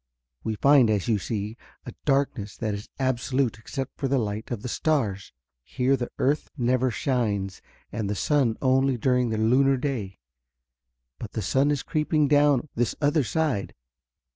We find, as you see, a darkness that is absolute except for the light of the stars. Here the earth never shines, and the sun only during the lunar day. But the sun is creeping down this other side.